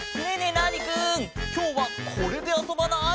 ナーニくんきょうはこれであそばない？